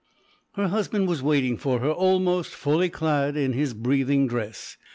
Her husband was waiting for her almost fully clad in his breathing dress.